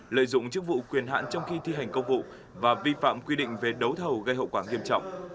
lợi dụng chức vụ quyền hạn trong khi thi hành công vụ và vi phạm quy định về đấu thầu gây hậu quả nghiêm trọng